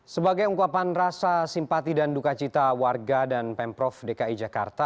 sebagai ungkapan rasa simpati dan duka cita warga dan pemprov dki jakarta